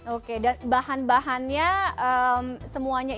oke dan bahan bahannya semuanya